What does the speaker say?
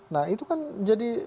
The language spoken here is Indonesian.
nah itu kan jadi